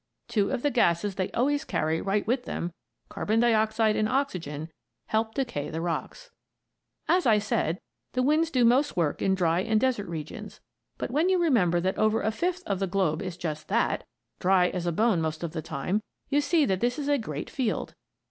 Two of the gases they always carry right with them carbon dioxide and oxygen help decay the rocks. As I said, the winds do most work in dry and desert regions, but when you remember that over a fifth of the globe is just that dry as a bone most of the time you see this is a great field.